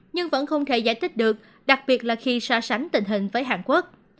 nhưng vẫn không thể giải thích được đặc biệt là khi so sánh tình hình với hàn quốc